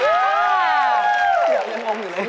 เดี๋ยวยังงงอยู่เลย